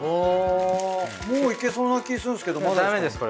もういけそうな気するんですけどまだですか？